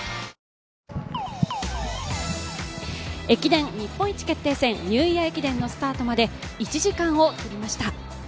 駅伝日本一決定戦ニューイヤー駅伝のスタートまで１時間を切りました。